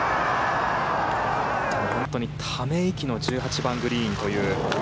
本当にため息の１８番グリーンという。